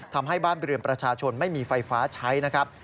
ทำให้บ้านเรือนประชาชนไม่มีไฟฟ้าใช้นะครับ